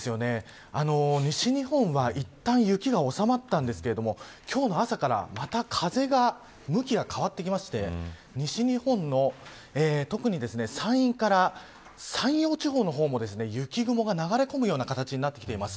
西日本はいったん雪が収まったんですけれども今日の朝から、また風が向きが変わってきまして西日本の特に山陰から山陽地方の方も雪雲が流れ込むような形になってきています。